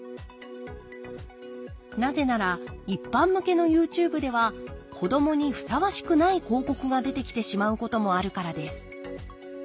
なぜなら一般向けのＹｏｕＴｕｂｅでは子どもにふさわしくない広告が出てきてしまうこともあるからです。